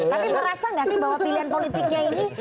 tapi merasa nggak sih bahwa pilihan politiknya ini